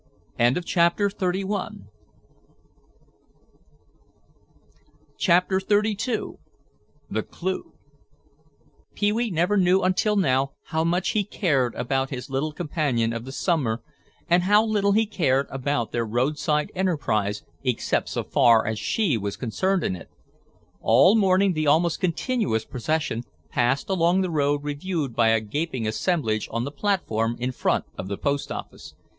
CHAPTER XXXII THE CLEW Pee wee never knew until now how much he cared about his little companion of the summer and how little he cared about their roadside enterprise except so far as she was concerned in it. All morning the almost continuous procession passed along the road reviewed by a gaping assemblage on the platform in front of the post office.